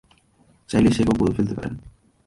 চাইলে শেভও করে ফেলতে পারেন।